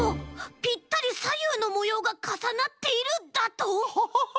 ぴったりさゆうのもようがかさなっているだと！？